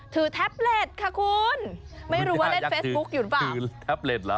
แท็บเล็ตค่ะคุณไม่รู้ว่าเล่นเฟซบุ๊คอยู่หรือเปล่าคือแท็บเล็ตเหรอ